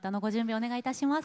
お願いいたします。